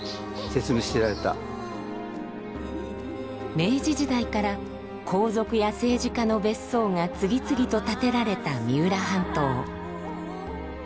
明治時代から皇族や政治家の別荘が次々と建てられた三浦半島。